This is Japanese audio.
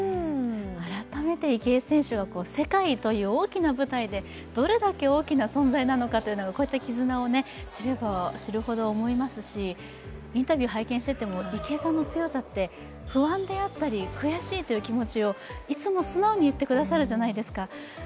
改めて池江選手は世界という大きな舞台でどれだけ大きな存在なのかというのがこうやって絆を知れば知るほど思いますしインタビューを拝見していても、池江さんの強さって、不安や悔しい気持ちをいつも素直に言ってくださるじゃないですか。